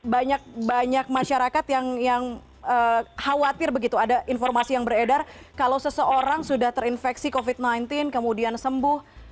banyak banyak masyarakat yang khawatir begitu ada informasi yang beredar kalau seseorang sudah terinfeksi covid sembilan belas kemudian sembuh